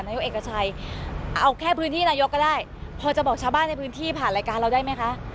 นายกเอกชัยเอาแค่พื้นที่นายกก็ได้พอจะบอกชาวบ้านในพื้นที่ผ่านรายการเราได้ไหมคะ